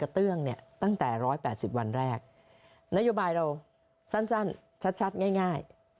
ตั้งแต่๑๘๐วันแรกนโยบายเราสั้นชัดง่าย